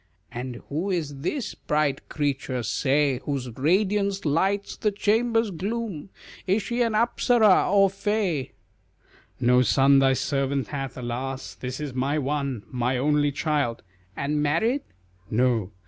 "And who is this bright creature, say, Whose radiance lights the chamber's gloom Is she an Apsara or fay?" "No son thy servant hath, alas! This is my one, my only child;" "And married?" "No."